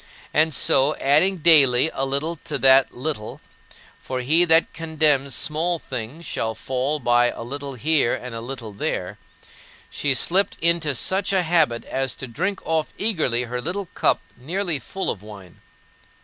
And so, adding daily a little to that little for "he that contemns small things shall fall by a little here and a little there" she slipped into such a habit as to drink off eagerly her little cup nearly full of wine.